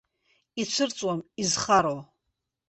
Ицәырҵуам изхароу!